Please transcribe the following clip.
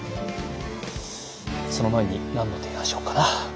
その前に何の提案しようかな。